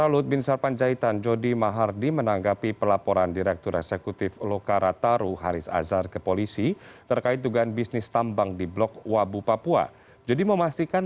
luhut bin sar panjaitan juga dilaporkan sebagai bukti berupa dokumen yang kemudian menjadi bahan atau data untuk sebagai dasar laporan